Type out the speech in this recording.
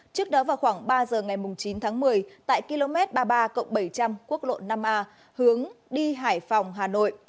trước đó vào khoảng ba giờ ngày chín tháng một mươi tại km ba mươi ba bảy trăm linh quốc lộ năm a hướng đi hải phòng hà nội